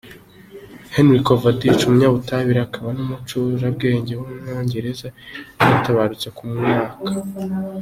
Henry Cavendish, umunyabutabire, akaba n’umucurabwenge w’umwongereza yaratabarutse, ku myaka .